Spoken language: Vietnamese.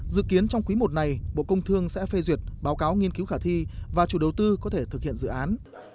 dự kiến trong quý i này bộ công thương sẽ phê duyệt báo cáo nghiên cứu khả thi và chủ đầu tư có thể thực hiện dự án